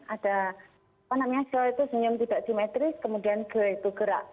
ada apa namanya silau itu senyum tidak simetris kemudian gerak